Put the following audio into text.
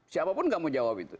siapa pun nggak mau jawab itu